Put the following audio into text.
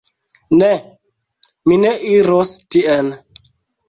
Ne, mi ne iros tien.